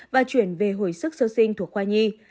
và chuyển về hồi sức sơ sinh thuộc khoa nhi